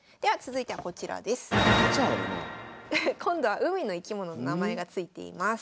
今度は海の生き物の名前が付いています。